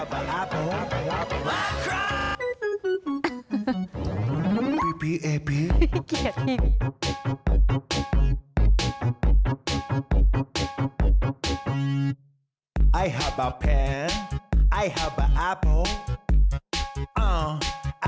อัปโฟแปนไอฮับแปนไอฮับไพรนัปเบิ้ล